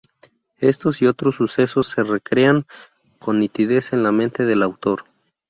Estos y otros sucesos se recrean con nitidez en la mente del autor.